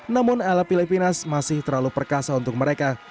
namun alap filipinas masih terlalu perkasa untuk mereka